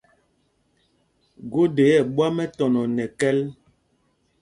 Gode ɛ̂ ɓwǎm ɛtɔnɔ nɛ kɛ́l.